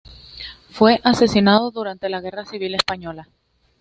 Fue asesinado durante la guerra civil española.